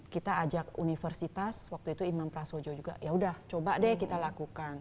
kita ajak universitas waktu itu imam prasojo juga yaudah coba deh kita lakukan